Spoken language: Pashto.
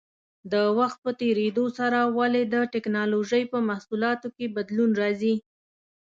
د وخت په تېرېدو سره ولې د ټېکنالوجۍ په محصولاتو کې بدلون راځي؟